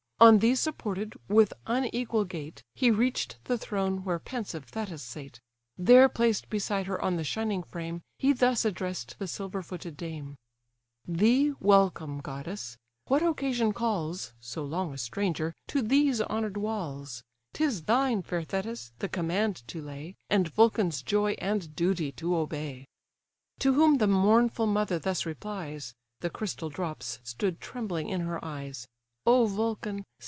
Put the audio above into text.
On these supported, with unequal gait, He reach'd the throne where pensive Thetis sate; There placed beside her on the shining frame, He thus address'd the silver footed dame: "Thee, welcome, goddess! what occasion calls (So long a stranger) to these honour'd walls? 'Tis thine, fair Thetis, the command to lay, And Vulcan's joy and duty to obey." VULCAN AND CHARIS RECEIVING THETIS To whom the mournful mother thus replies: (The crystal drops stood trembling in her eyes:) "O Vulcan!